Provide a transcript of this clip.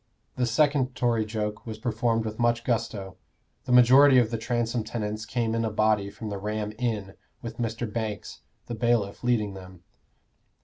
The second Tory joke was performed with much gusto. The majority of the Transome tenants came in a body from the Ram Inn, with Mr. Banks, the bailiff, leading them.